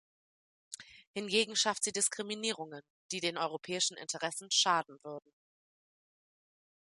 Hingegen schafft sie Diskriminierungen, die den europäischen Interessen schaden würden.